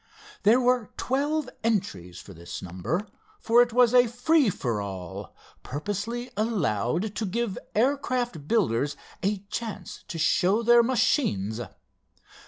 There were twelve entries for this number, for it was a free for all, purposely allowed to give air craft builders a chance to show their machines.